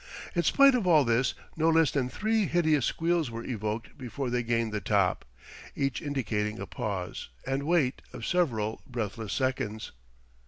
In spite of all this, no less than three hideous squeals were evoked before they gained the top; each indicating a pause and wait of several breathless seconds.